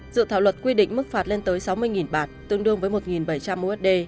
dự thảo luật quy định mức phạt lên tới sáu mươi bạt tương đương với một bảy trăm linh usd